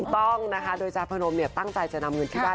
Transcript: ต้องนะคะโดยชาพพนมเนี่ยตั้งใจจะนำเงินที่บ้าน